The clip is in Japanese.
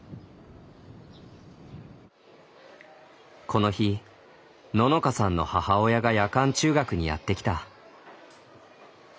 この日ののかさんの母親が夜間中学にやって来た。